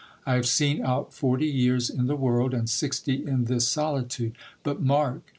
I have seen out forty years in the world, and sixty in this solitude. But mark